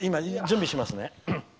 準備しますね。